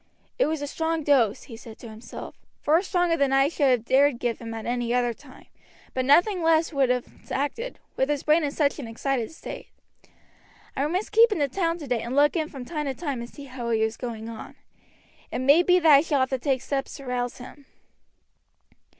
"It was a strong dose," he said to himself, "far stronger than I should have dared give him at any other time, but nothing less would have acted, with his brain in such an excited state. I must keep in the town today and look in from time to time and see how he is going on. It may be that I shall have to take steps to rouse him."